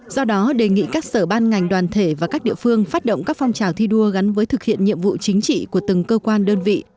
do đó đề nghị các sở ban ngành đoàn thể và các địa phương phát động các phong trào thi đua gắn với thực hiện nhiệm vụ chính trị của từng cơ quan đơn vị